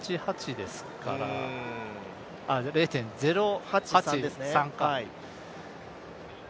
０．０８３か。